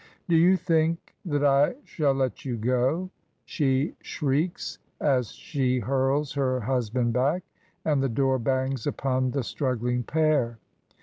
"Do you think that I shall let you go?" she shrieks, as she hurls her husband back, and the door bangs upon the struggling pair.